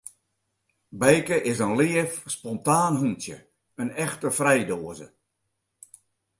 Bijke is in leaf, spontaan hûntsje, in echte frijdoaze.